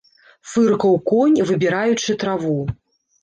Фыркаў конь, выбіраючы траву.